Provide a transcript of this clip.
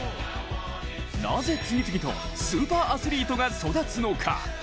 なぜ、次々とスーパーアスリートが育つのか。